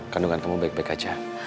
kandungan kamu baik baik aja